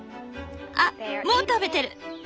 あっもう食べてる！